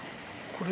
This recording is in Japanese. これ。